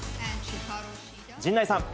陣内さん。